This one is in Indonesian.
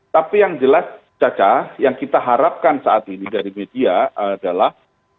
tapi yang jelas caca yang kita harapkan saat ini dari media adalah